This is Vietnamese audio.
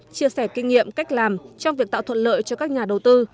chia sẻ kinh nghiệm cách làm trong việc tạo thuận lợi cho các nhà đầu tư